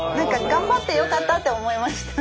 頑張ってよかったって思いました。